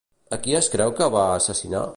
A qui es creu que va assassinar?